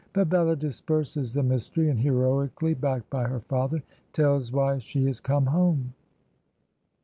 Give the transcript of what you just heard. But Bella disperses the mystery, and, heroically backed by her father, tells why she has come home.